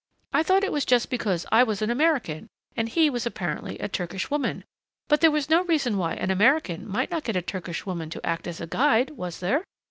I thought it was just because I was an American and he was apparently a Turkish woman, but there was no reason why an American might not get a Turkish woman to act as a guide, was there?...